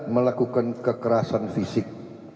melakukan kekerasan fisik